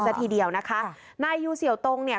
ซะทีเดียวนะคะนายยูเสี่ยวตรงเนี่ย